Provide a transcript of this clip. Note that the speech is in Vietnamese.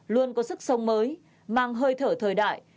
luôn có sức sống mới mang hơi thở thời đại